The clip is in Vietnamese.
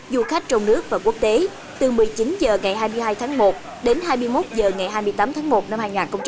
du khách trong nước và quốc tế từ một mươi chín h ngày hai mươi hai tháng một đến hai mươi một h ngày hai mươi tám tháng một năm hai nghìn hai mươi